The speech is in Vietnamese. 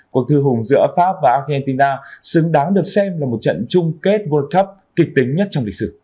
cuộc thư hùng giữa pháp và argentina xứng đáng được xem là một trận chung kết world cup kịch tính nhất trong lịch sử